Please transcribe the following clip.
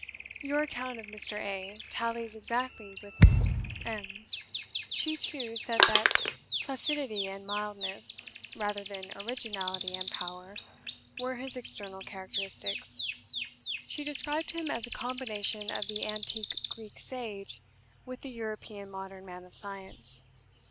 "Your account of Mr. A tallies exactly with Miss M 's. She, too, said that placidity and mildness (rather than originality and power) were his external characteristics. She described him as a combination of the antique Greek sage with the European modern man of science.